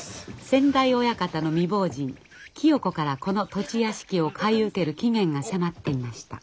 先代親方の未亡人喜代子からこの土地屋敷を買い受ける期限が迫っていました。